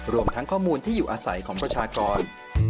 รวมทั้งข้อมูลที่อยู่อาศัยของประชากร